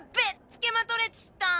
つけま取れちった！